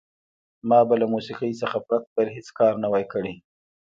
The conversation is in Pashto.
ما به له موسیقۍ څخه پرته بل هېڅ کار نه وای کړی.